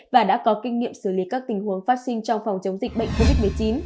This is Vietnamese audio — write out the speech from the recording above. và đã có kinh nghiệm xử lý các tình huống phát sinh trong phòng chống dịch bệnh covid một mươi chín